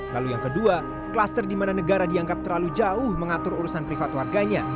lalu yang kedua kluster di mana negara dianggap terlalu jauh mengatur urusan privat warganya